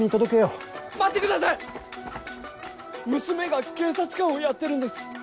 娘が警察官をやってるんです